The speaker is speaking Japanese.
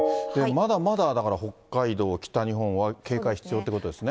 まだまだ、だから北海道、北日本は警戒、必要ということですね。